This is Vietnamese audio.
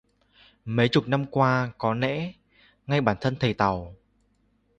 Mấy chục năm qua có lẽ ngay bản thân thầy tàu